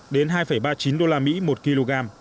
đến hai ba mươi chín usd một kg